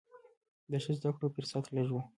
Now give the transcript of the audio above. د ښه زده کړو فرصت لږ و.